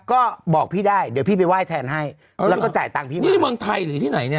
ก็บอกพี่ได้เดี๋ยวพี่ไปไหว้แทนให้แล้วก็จ่ายตังค์พี่นี่เมืองไทยหรือที่ไหนเนี่ย